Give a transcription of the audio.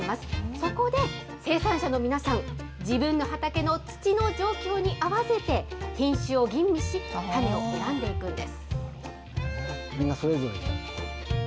そこで生産者の皆さん、自分の畑の土の状況に合わせて、品種を吟味し、種を選んでいくんです。